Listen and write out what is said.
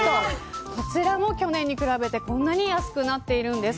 こちらも去年に比べてこんなに安くなっているんです。